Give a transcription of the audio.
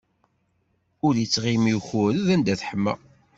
Ur ittɣimi ukured anda teḥma.